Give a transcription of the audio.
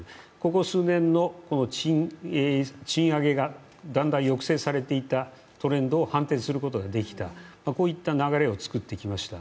ここ数年の賃上げがだんだん抑制されていたトレンドを反転することができた、こういった流れを作ってきました。